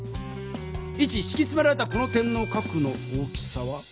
イチしきつめられたこの点の角の大きさは？